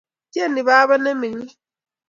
Ityeni baba nemining